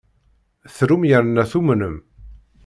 Trum yerna tumnem.